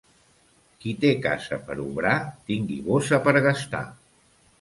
Qui té casa per obrar, tingui bossa per gastar.